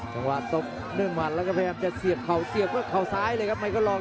จังหวะตบเนื่องหมัดแล้วก็พยายามจะเสียบเข่าเสียบด้วยเขาซ้ายเลยครับไมเคิลลอง